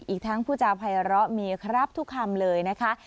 อีกทั้งผู้จาภัยร้อมีครับทุกคำเลยนะคะ